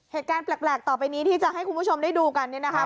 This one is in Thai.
เหตุการณ์แปลกต่อไปนี้ที่จะให้คุณผู้ชมได้ดูกันเนี่ยนะคะ